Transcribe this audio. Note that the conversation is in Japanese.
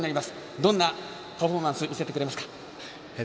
どんなパフォーマンスを見せてくれますか。